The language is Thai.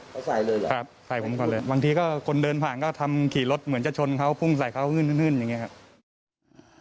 เขาใส่เลยครับใส่ผมก่อนเลยบางทีก็คนเดินผ่านก็ทำขี่รถเหมือนจะชนเขาพุ่งใส่เขาฮื่นอย่างนี้ครับ